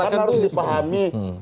kita harus dipahami